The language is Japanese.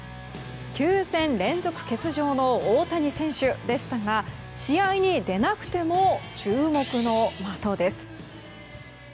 ９戦連続欠場の大谷選手でしたが試合に出なくても注目の的です。